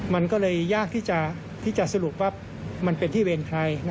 มันก็เลยยากที่จะสรุปว่ามันเป็นที่เวรใคร